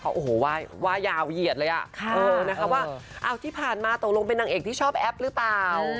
โอ้โหว่ายาวเหยียดเลยอ่ะนะคะว่าที่ผ่านมาตกลงเป็นนางเอกที่ชอบแอปหรือเปล่า